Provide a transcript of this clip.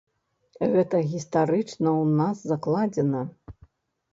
Гэта гістарычна ў нас закладзена.